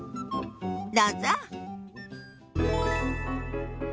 どうぞ。